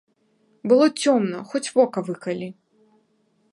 Было цёмна, хоць вока выкалі.